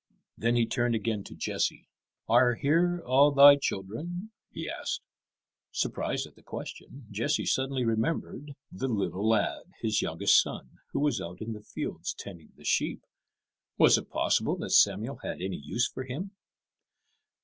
Then he turned again to Jesse. "Are here all thy children?" he asked. Surprised at the question, Jesse suddenly remembered the little lad, his youngest son, who was out in the fields tending the sheep. Was it possible that Samuel had any use for him?